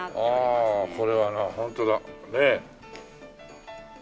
ああこれはなホントだ。ねえ。